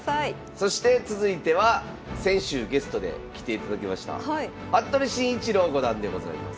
そして続いては先週ゲストで来ていただきました服部慎一郎五段でございます。